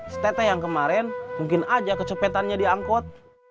si tete yang kemarin mungkin aja kecopetannya diangkut